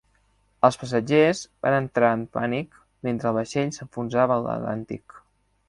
Els passatgers van entrar en pànic mentre el vaixell s'enfonsava a l'Atlàntic.